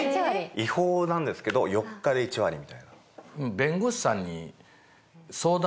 違法なんですけど４日で１割みたいな。